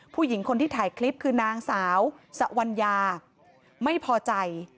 ผู้หญิงคนที่ถ่ายคลิปคือนางสาวสวัญญาไม่พอใจ